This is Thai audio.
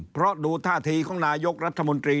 เพราะดูท่าทีของนายกรัฐมนตรี